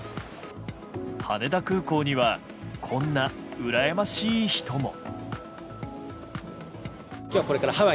羽田空港にはこんなうらやましい人も。